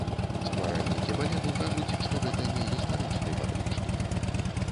Стваральнікі балету кажуць, што гэта не гістарычны падручнік.